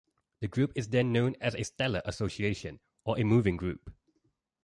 The group is then known as a stellar association, or a moving group.